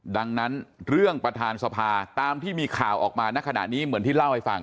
ดังนั้นเรื่องประธานสภาตามที่มีข่าวออกมาณขณะนี้เหมือนที่เล่าให้ฟัง